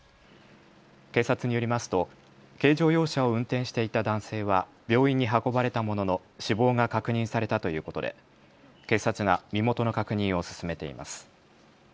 警察によりますと軽乗用車を運転していた男性は病院に運ばれたものの死亡が確認されたということで、警察が身元の確認を進めています。